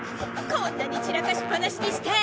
こんなに散らかしっぱなしにして！